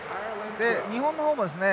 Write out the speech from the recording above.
日本の方もですね